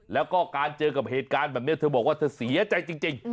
แล้วก็การเจอกับเหตุการณ์แบบนี้เธอบอกว่าเธอเสียใจจริง